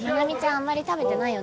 あんまり食べてないよね。